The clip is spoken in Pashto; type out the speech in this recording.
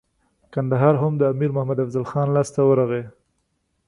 کندهار هم د امیر محمد افضل خان لاسته ورغی.